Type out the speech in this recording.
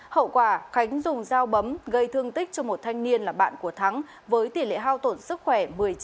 hậu quả khánh dùng dao bấm gây thương tích cho một thanh niên là bạn của thắng với tỷ lệ hao tổn sức khỏe một mươi chín